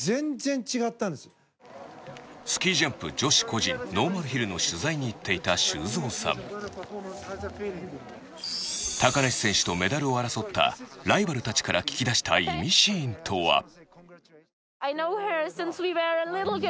スキージャンプ女子個人ノーマルヒルを取材に行っていた修造さん高梨選手とメダルを争ったライバルたちから聞き出したイミシーンとは？